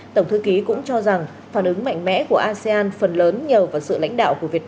tổng thư ký cũng cho rằng phản ứng mạnh mẽ của asean phần lớn nhờ vào sự lãnh đạo của việt nam